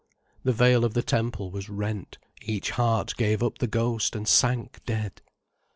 The veil of the temple was rent, each heart gave up the ghost, and sank dead.